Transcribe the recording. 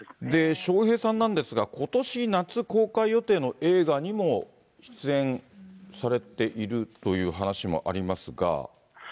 笑瓶さんなんですが、ことし夏公開予定の映画にも出演されているという話もありますが。